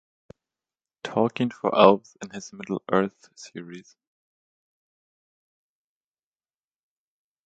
Tolkien for elves in his Middle Earth series.